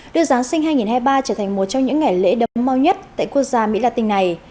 đưa giáng sinh hai nghìn hai mươi ba trở thành một trong những ngày lễ đấm mau nhất tại quốc gia mỹ latin này